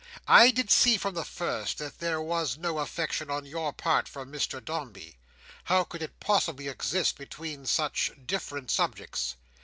I did see from the first, that there was no affection on your part for Mr Dombey—how could it possibly exist between such different subjects?